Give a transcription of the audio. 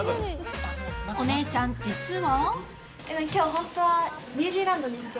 お姉ちゃん、実は。